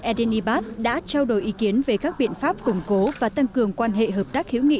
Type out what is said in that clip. edinibab đã trao đổi ý kiến về các biện pháp củng cố và tăng cường quan hệ hợp tác hiếu nghị